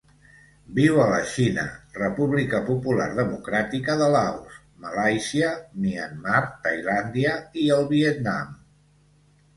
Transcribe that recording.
Viu a la Xina, República Popular Democràtica de Laos, Malàisia, Myanmar, Tailàndia i el Vietnam.